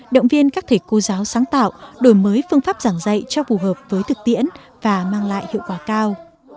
động viên các thầy cô giáo sáng tạo đổi mới phương pháp giảng dạy cho phù hợp với thực tiễn và mang lại hiệu quả cao